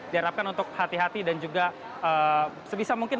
diharapkan untuk hati hati dan juga sebisa mungkin